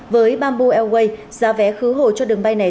với bamboo airways giá vé khứ hồi cho đường bay này